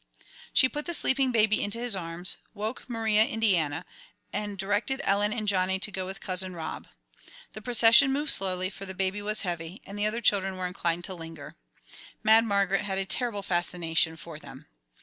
She put the sleeping baby into his arms, woke Maria Indiana, and directed Ellen and Johnny to go with "Cousin Rob." The procession moved slowly, for the baby was heavy, and the other children were inclined to linger. Mad Margaret had a terrible fascination for them.